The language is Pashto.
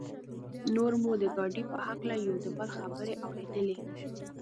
نور مو د ګاډي په هکله یو د بل خبرې اورېدلې.